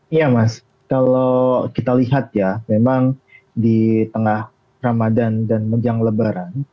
iya mas kalau kita lihat ya memang di tengah ramadhan dan menjelang lebaran